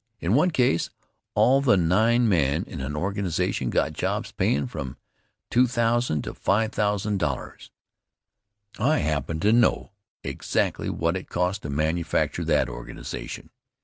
In one case, all the nine men in an organization got jobs payin' from $2000 to $5000. I happen to know exactly what it cost to manufacture that organization.